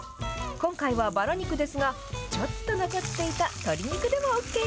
今回はばら肉ですが、ちょっと残っていた鶏肉でもＯＫ。